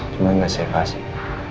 cuma gak sifat sih